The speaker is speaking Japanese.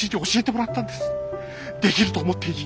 「できる」と思っていい。